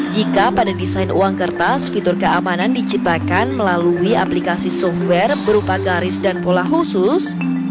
jika pada desain uang kertas fitur keamanan diciptakan melalui aplikasi software berupa garis dan pola khusus